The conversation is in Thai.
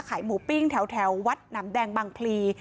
หมูปิ้งแถววัดหนำแดงบังพลี